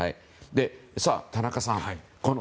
田中さん